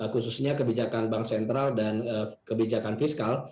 khususnya kebijakan bank sentral dan kebijakan fiskal